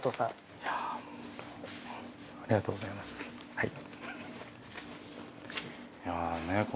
はい。